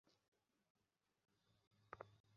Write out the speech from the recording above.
ডাকাডাকি করার মত কিছু হয়নি।